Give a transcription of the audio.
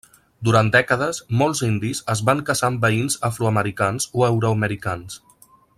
Durant dècades, molts indis es van casar amb veïns afroamericans o euroamericans.